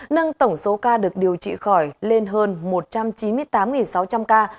nâng tổng số ca được điều trị khỏi lên hơn một trăm chín mươi tám sáu trăm linh ca